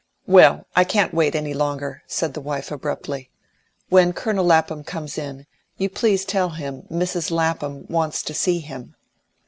"Well, I can't wait any longer," said the wife abruptly. "When Colonel Lapham comes in, you please tell him Mrs. Lapham wants to see him."